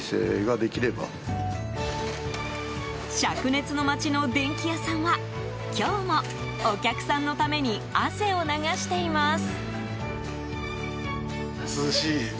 灼熱の町の電器屋さんは今日もお客さんのために汗を流しています。